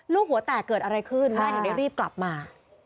หัวแตกเกิดอะไรขึ้นแม่ถึงได้รีบกลับมา